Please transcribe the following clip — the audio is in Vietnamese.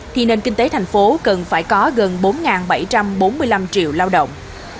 thì nền kinh tế thành phố cần phải có gần bốn bảy trăm bốn mươi năm triệu lao động